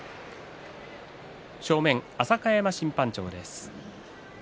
正面、浅香山審判長です。